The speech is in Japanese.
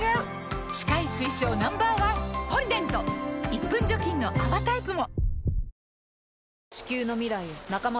１分除菌の泡タイプも！